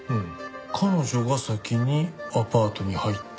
彼女が先にアパートに入って。